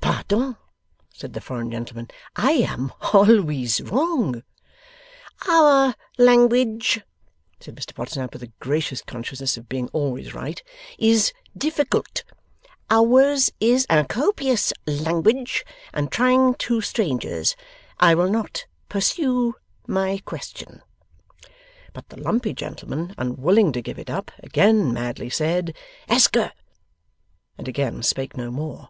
'Pardon,' said the foreign gentleman; 'I am alwiz wrong!' 'Our Language,' said Mr Podsnap, with a gracious consciousness of being always right, 'is Difficult. Ours is a Copious Language, and Trying to Strangers. I will not Pursue my Question.' But the lumpy gentleman, unwilling to give it up, again madly said, 'ESKER,' and again spake no more.